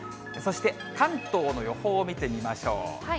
そして関東の予報を見てみましょう。